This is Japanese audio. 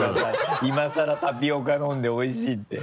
今更タピオカ飲んで「おいしい」って。